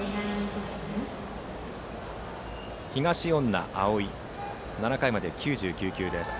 東恩納蒼は７回まで９９球です。